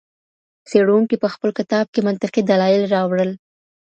څېړونکي په خپل کتاب کې منطقي دلایل راوړل.